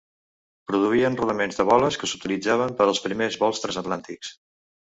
Produïen rodaments de boles que s'utilitzaven per als primers vols transatlàntics.